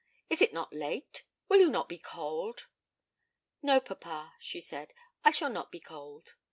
Is it not late? Will you not be cold?' 'No papa,' she said, 'I shall not be cold.'